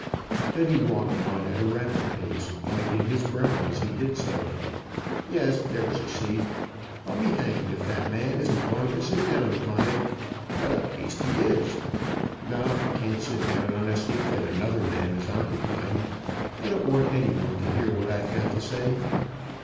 Then he walked on at a rapid pace, wiping his brow as he did so. "Yes, there's a seat. I'll be hanged if that man isn't going to sit down upon it! What a beast he is! No, I can't sit down on a seat that another man is occupying. I don't want any one to hear what I've got to say.